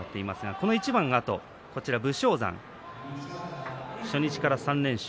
この一番のあと武将山初日から３連勝。